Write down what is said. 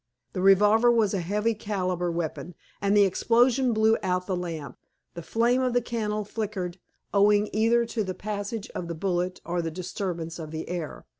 The revolver was a heavy caliber weapon, and the explosion blew out the lamp. The flame of the candle flickered, owing either to the passage of the bullet or the disturbance of the air.